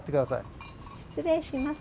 失礼します。